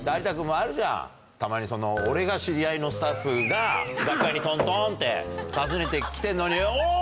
たまに俺が知り合いのスタッフが楽屋にトントンって訪ねて来てんのに。